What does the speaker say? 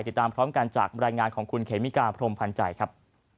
ติดตามพร้อมกันจากบรรยายงานของคุณเขมิกาพรมพันธ์ใจครับ